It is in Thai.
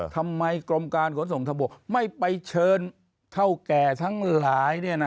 ทำไมกรมการขนส่งทางบกไม่ไปเชิญเท่าแก่ทั้งหลาย